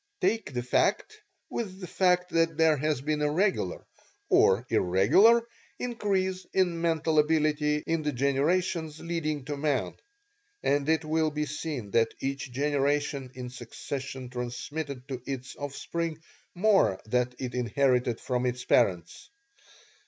Take that fact with the fact that there has been a regular (or irregular) increase in mental ability in the generations leading to man, and it will be seen that each generation in succession transmitted to its offspring more than it inherited from its parents.